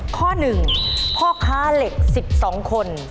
ข้อ๑พ่อค้าเหล็ก๑๒คน